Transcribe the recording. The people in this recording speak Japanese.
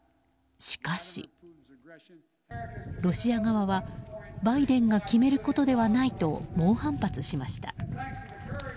しかしロシア側はバイデンが決めることではないと猛反発しました。